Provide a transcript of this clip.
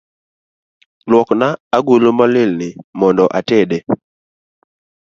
Luokna agulu molil ni mondo atede